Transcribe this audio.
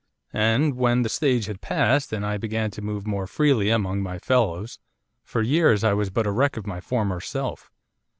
And, when that stage had passed, and I began to move more freely among my fellows, for years I was but a wreck of my former self.